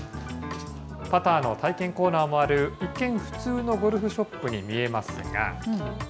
パターの体験コーナーもある、一見普通のゴルフショップに見えますが。